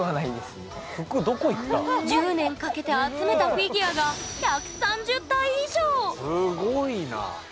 １０年かけて集めたフィギュアがすごいな。